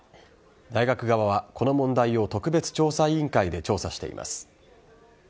大学側はこの問題を特別調査委員会で調査しています。